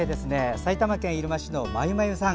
埼玉県入間市の、まゆまゆさん。